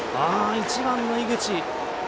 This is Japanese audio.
１番の井口。